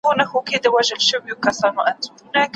چي مخکي مي هیڅ فکر نه دی پکښی کړی